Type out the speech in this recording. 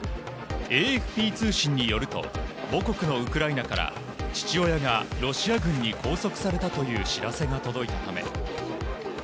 ＡＦＰ通信によりますと母国のウクライナから父親がロシア軍に拘束されたという知らせが届いたため。